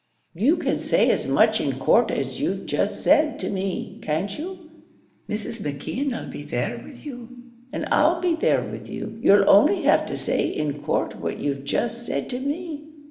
You can say as much in court as you've just said to me, can't you? Mrs. McKeon 'll be there with you and I'll be there with you. You'll only have to say in court what you've just said to me."